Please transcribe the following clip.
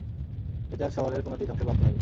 এ চার শহরের কোনটিই ধ্বংসপ্রাপ্ত হয়নি।